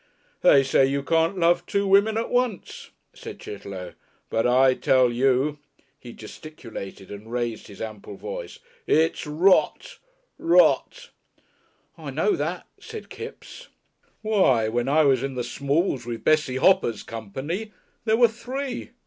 "They say you can't love two women at once," said Chitterlow. "But I tell you " He gesticulated and raised his ample voice. "It's Rot! Rot!" "I know that," said Kipps. "Why, when I was in the smalls with Bessie Hopper's company there were three."